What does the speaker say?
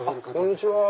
こんにちは。